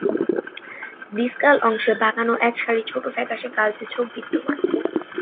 ডিসকাল অংশে বাঁকানো একসারি ছোট ফ্যাকাশে কালচে ছোপ বিদ্যমান।